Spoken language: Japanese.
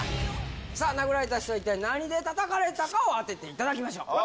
さあ、殴られた人は、一体何でたたかれたかを当てていただきましょう。